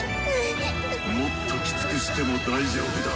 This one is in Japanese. もっとキツくしても大丈夫だ。